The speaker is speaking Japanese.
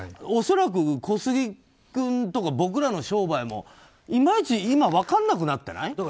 恐らく小杉君とか僕らの商売もいまいち今分からなくなってない？